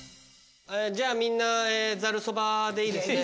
じゃあみんなざるそばでいいですね？